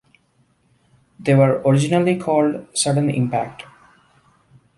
They were originally called Sudden Impact.